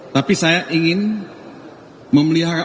tapi saya ingin memelihara